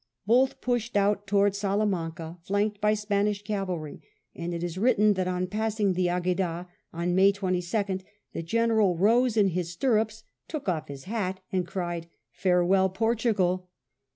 Both poshed out towards Salamanca, flanked by Spanish caralij, and it is wiitbca that on passing the Agneda on May 22nd the Greneral rose in his stimips, took off his hat^ and cried '^Farewell, Portugal